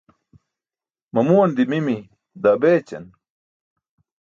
Mamuwan dimimi daa beećan.